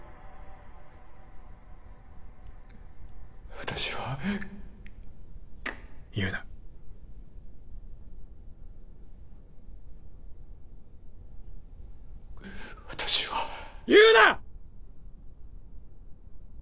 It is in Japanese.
私はくっ言うな私は言うな！